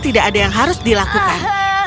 tidak ada yang harus dilakukan